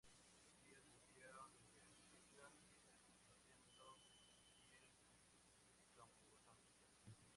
Ellos limpiaron de vegetación el templo y el camposanto.